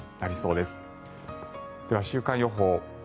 では週間予報。